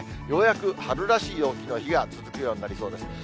ようやく春らしい陽気の日が続くようになりそうです。